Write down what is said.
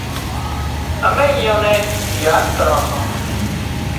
امين ايئان نين ياد ڪران سان